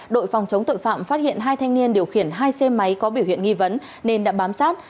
đội phòng chống tội phạm phát hiện hai thanh niên điều khiển hai xe máy có biểu hiện nghi vấn nên đã bám sát